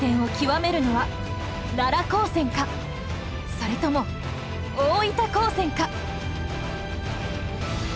それとも大分高専か？